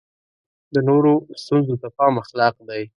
د نورو ستونزو ته پام اخلاق دی.